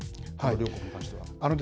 両国に関しては。